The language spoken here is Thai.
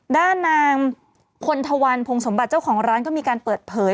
ด้านนางคนทวันพงสมบัติเจ้าของร้านก็มีการเปิดเผย